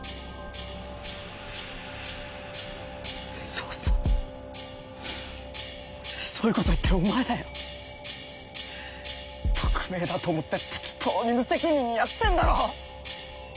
そうそうそういうこと言ってるお前だよ匿名だと思って適当に無責任にやってんだろ？